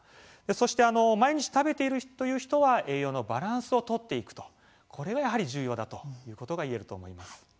そして毎日食べているという人は栄養のバランスを取っていくとこれがやはり重要だということが言えると思います。